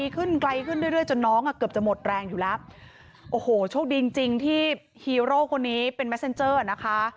ขึ้นไกลขึ้นเรื่อยจนน้องอ่ะเกือบจะหมดแรงอยู่แล้วโอ้โหโชคดีจริงจริงที่ฮีโร่คนนี้เป็นแมสเซ็นเจอร์นะคะ